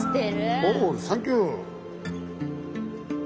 おおサンキュー。